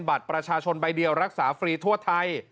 บัตรประชาชนใบเดียวรักษาฟรีทั่วไทย